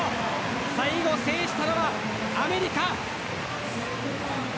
最後制したのはアメリカ。